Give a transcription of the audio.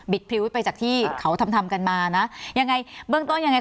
พริ้วไปจากที่เขาทำทำกันมานะยังไงเบื้องต้นยังไง